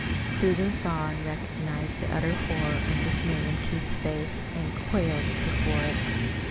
Susan saw and recognized the utter horror and dismay in Keith's lace, and quailed before it.